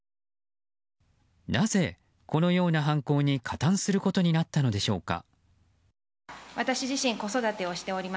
なぜ、このような犯行に加担することになったのでしょうか。